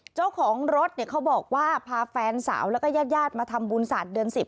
เจ้าของรถเนี่ยเขาบอกว่าพาแฟนสาวแล้วก็ญาติมาทำบุญศาสตร์เดือน๑๐